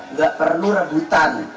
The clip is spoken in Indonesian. nggak perlu rebutan